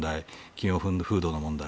企業風土の問題